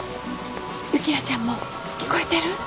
雪菜ちゃんも聞こえてる？